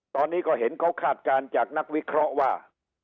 ตอนนี้ก็เห็นเขาคาดการณ์จากนักวิเคราะห์ว่า